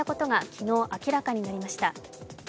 昨日、明らかになりました。